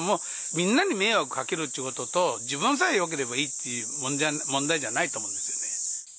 みんなに迷惑かけるっちゅうことと、自分さえよければいいっていう問題じゃないと思うんですよね。